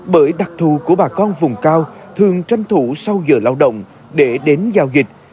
bởi đặc thù của bà con vùng cao thường tranh thủ sau giờ lao động để đến giao dịch